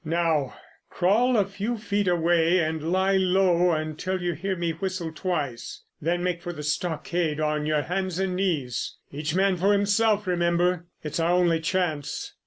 "Now, crawl a few feet away and lie low until you hear me whistle twice. Then make for the stockade on your hands and knees. Each man for himself, remember. It's our only chance."